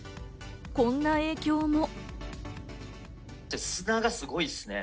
こんな影響も。